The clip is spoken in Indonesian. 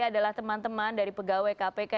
adalah teman teman dari pegawai kpk